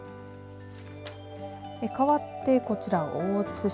かわって、こちら大津市。